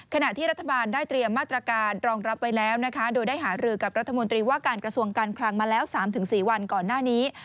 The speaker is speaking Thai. ขณะที่รัฐบาลได้เตรียมมาตรการรองรับไว้แล้วนะคะโดยได้หารือกับรัฐมนตรีว่าการกระทรวงการคลังมาแล้ว๓๔วันก่อนหน้านี้